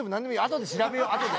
後で調べよう。後で。